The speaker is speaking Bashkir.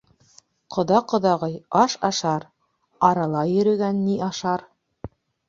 Ҡоҙа-ҡоҙағый аш ашар, арала йөрөгән ни ашар?